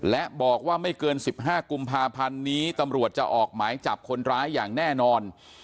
และบอกว่าไม่เกิน๑๕กุมภาพันธ์นี้ตำรวจจะออกหมายจับคนร้ายอย่างแน่นอน